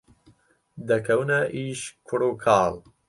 دەکەونە ئیش کوڕ و کاڵ